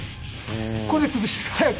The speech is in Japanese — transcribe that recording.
これで崩してる。